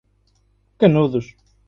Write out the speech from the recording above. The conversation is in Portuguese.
Canudos